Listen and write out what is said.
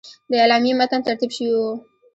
د اعلامیې متن ترتیب شوی وو.